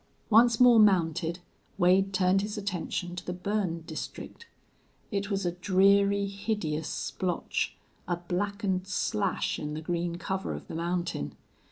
Once more mounted, Wade turned his attention to the burned district. It was a dreary, hideous splotch, a blackened slash in the green cover of the mountain.